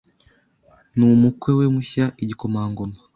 Numukwe we mushya igikomangoma